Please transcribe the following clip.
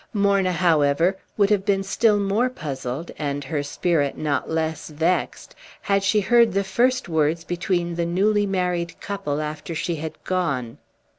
Morna, however, would have been still more puzzled, and her spirit not less vexed, had she heard the first words between the newly married couple after she had gone.